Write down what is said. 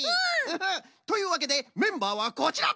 うん！というわけでメンバーはこちら！